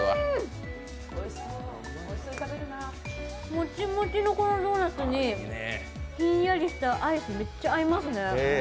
もちもちのドーナツにひんやりしたアイス、めっちゃ合いますね。